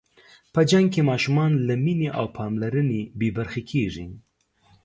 په جنګ کې ماشومان له مینې او پاملرنې بې برخې کېږي.